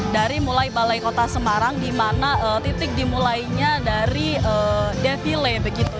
dari mulai balai kota semarang di mana titik dimulainya dari defile begitu